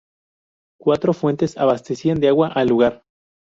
Cuatro fuentes abastecían de agua al lugar.